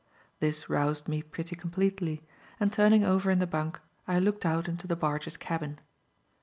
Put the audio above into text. This roused me pretty completely, and turning over in the bunk, I looked out into the barge's cabin.